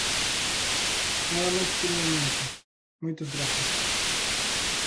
Nada máis polo momento, moitas grazas.